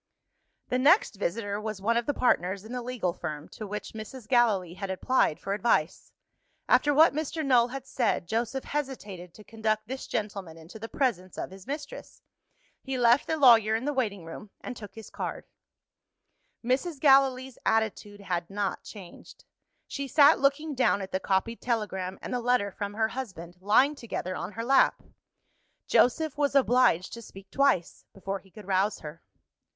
The next visitor was one of the partners in the legal firm, to which Mrs. Gallilee had applied for advice. After what Mr. Null had said, Joseph hesitated to conduct this gentleman into the presence of his mistress. He left the lawyer in the waiting room, and took his card. Mrs. Gallilee's attitude had not changed. She sat looking down at the copied telegram and the letter from her husband, lying together on her lap. Joseph was obliged to speak twice, before he could rouse her.